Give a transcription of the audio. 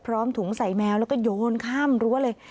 ถุงใส่แมวแล้วก็โยนข้ามรั้วเลย